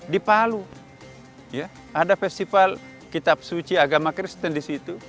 di palu ada festival kitab suci agama kristen di situ